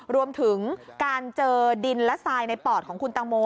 รวมถึงการเจอดินและทรายในปอดของคุณตังโม